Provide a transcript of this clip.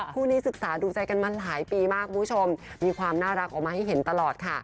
คู่นี้ศึกษาดูใจกันมาหลายปีมากคุณผู้ชมมีความน่ารักออกมาให้เห็นตลอดค่ะ